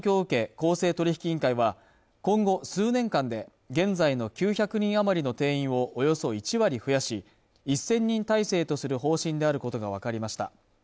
公正取引委員会は今後、数年間で現在の９００人余りの定員をおよそ１割増やし１０００人体制とする方針であることが分かりました